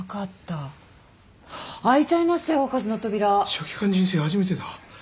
書記官人生初めてだ。